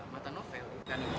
mata novel terkait apa